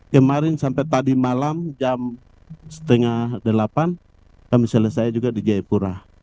kemarin sampai tadi malam jam setengah delapan kami selesai juga di jayapura